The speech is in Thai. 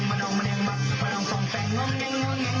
มันออกมันยังมักมันออกมันแปลงมันยังมันยังมันยัง